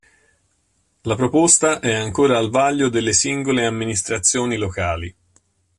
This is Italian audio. La proposta è ancora al vaglio delle singole amministrazioni locali.